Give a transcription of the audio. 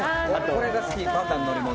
これが好きパンダの乗り物